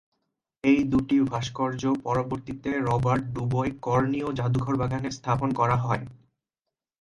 এই দুটি ভাস্কর্য পরবর্তীতে রবার্ট ডুবোই-কর্নিও জাদুঘর বাগানে স্থাপন করা হয়।